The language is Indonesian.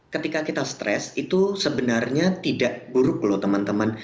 karena kita stres itu sebenarnya tidak buruk loh teman teman